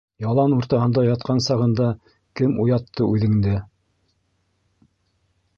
Ялан уртаһында ятҡан сағында кем уятты үҙеңде?